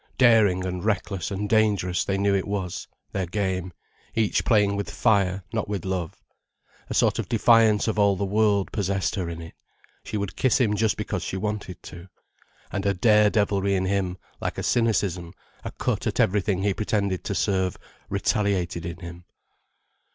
Daring and reckless and dangerous they knew it was, their game, each playing with fire, not with love. A sort of defiance of all the world possessed her in it—she would kiss him just because she wanted to. And a dare devilry in him, like a cynicism, a cut at everything he pretended to serve, retaliated in him.